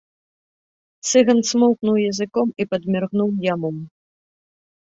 Цыган цмокнуў языком і падміргнуў яму.